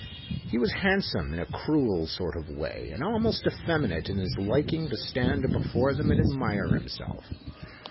He was handsome in a cruel sort of way and almost effeminate in his liking to stand before them and admire himself.